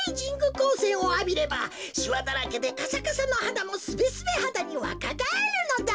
こうせんをあびればしわだらけでカサカサのはだもスベスベはだにわかがえるのだ。